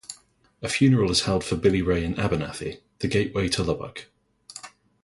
A funeral is held for Billy Ray in Abernathy, "The Gateway to Lubbock".